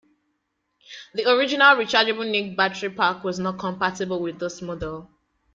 The original rechargeable NiCd battery pack was not compatible with this model.